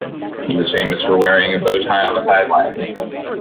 He was famous for wearing a bow tie on the sidelines.